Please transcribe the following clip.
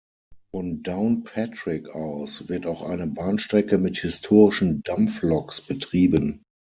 Von Downpatrick aus wird auch eine Bahnstrecke mit historischen Dampfloks betrieben.